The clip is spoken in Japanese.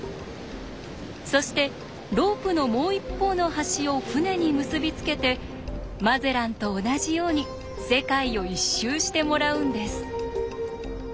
そしてロープのもう一方の端を船に結び付けてマゼランと同じように世界を一周してもらうんです。